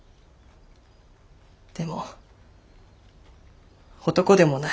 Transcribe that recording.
でも男でもない。